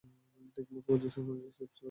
ঠিকমত পজিশন অনুযায়ী শিপ চালাতে পারছি না!